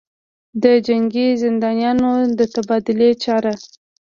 دجنګي زندانیانودتبادلې چاره